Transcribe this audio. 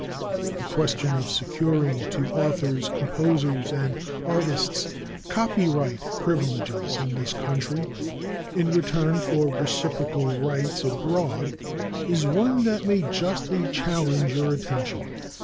The question of securing to authors, composers, and artists copyright privileges in this country in return for reciprocal rights abroad is one that may justly challenge your attention.